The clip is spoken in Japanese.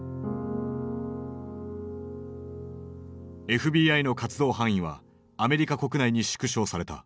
ＦＢＩの活動範囲はアメリカ国内に縮小された。